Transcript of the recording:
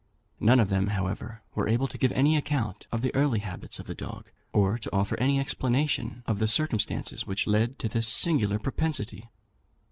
None of them, however, were able to give any account of the early habits of the dog, or to offer any explanation of the circumstances which led to this singular propensity.